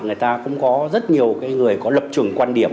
mà người ta cũng có rất nhiều cái người có lập trường quan điểm